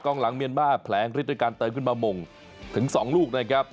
หลังเมียนมาร์แผลงฤทธิด้วยการเติมขึ้นมาหม่งถึง๒ลูกนะครับ